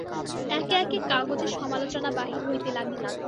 একে একে কাগজে সমালোচনা বাহির হইতে লাগিল।